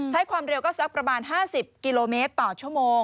ใช้ความเร็วก็สักประมาณ๕๐กิโลเมตรต่อชั่วโมง